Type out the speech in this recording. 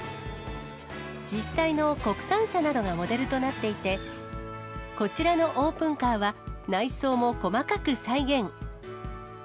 実際の国産車などがモデルとなっていて、こちらのオープンカーは、内装も細かく再現。